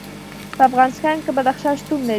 په افغانستان کې بدخشان شتون لري.